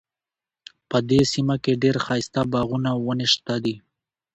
په دې سیمه کې ډیر ښایسته باغونه او ونې شته دي